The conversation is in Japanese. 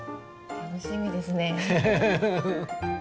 楽しみですね。